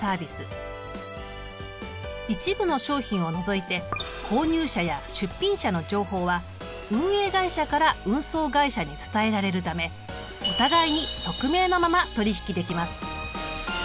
一部の商品を除いて購入者や出品者の情報は運営会社から運送会社に伝えられるためお互いに匿名のまま取り引きできます。